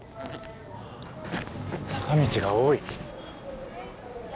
坂道が多い。